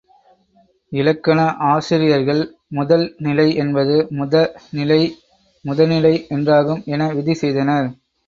இலக்கண ஆசிரியர்கள், முதல் நிலை என்பது முத நிலை முதனிலை என்றாகும் என விதி செய்தனர்.